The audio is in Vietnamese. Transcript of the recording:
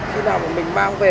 khi nào mà mình mang về